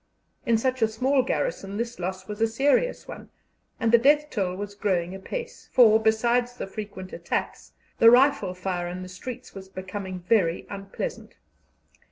In such a small garrison this loss was a serious one, and the death roll was growing apace, for, besides the frequent attacks, the rifle fire in the streets was becoming very unpleasant.